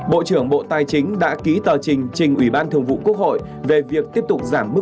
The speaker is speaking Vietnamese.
bộ trưởng bộ tài chính đã ký tờ trình trình ủy ban thường vụ quốc hội về việc tiếp tục giảm mức